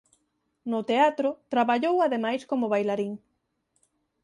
No teatro traballou ademais como bailarín.